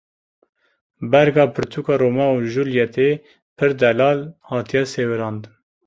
Berga pirtûka Romeo û Julîetê pir delal hatiye sêwirandin.